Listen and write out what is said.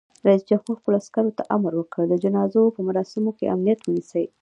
رئیس جمهور خپلو عسکرو ته امر وکړ؛ د جنازو په مراسمو کې امنیت ونیسئ!